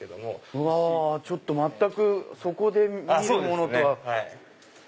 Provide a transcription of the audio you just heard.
うわ全くそこで見るものとは。